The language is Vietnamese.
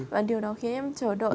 và điều đó khiến em chờ đợi